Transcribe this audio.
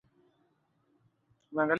Huwezi kufanya kazi hiyo yote